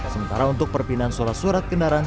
sementara untuk perpindahan surat surat kendaraan